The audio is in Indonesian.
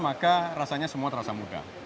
maka rasanya semua terasa mudah